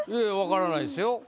分からないですよ